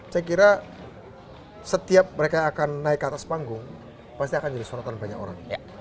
saya kira setiap mereka akan naik ke atas panggung pasti akan jadi sorotan banyak orang